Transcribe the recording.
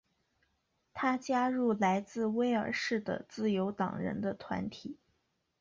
他加入来自威尔士的自由党人的团体。